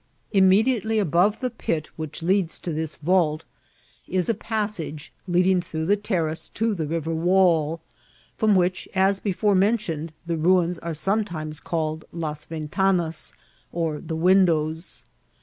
Immediately above the pit which leads to this vault is a passage leading through the terrace to the river wall, from which, as before mentioned, the ruins are sometimes called Las Ventanas, or the win dows.